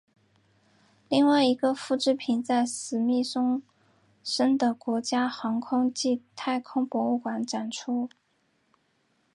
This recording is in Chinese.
另外一个复制品在史密松森的国家航空暨太空博物馆展出。